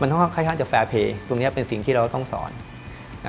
ค่อนข้างจะแฟร์เพย์ตรงนี้เป็นสิ่งที่เราต้องสอน